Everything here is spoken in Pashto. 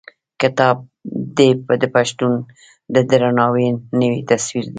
کتاب: دی د پښتون د درناوي نوی تصوير دی.